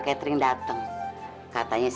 catering datang katanya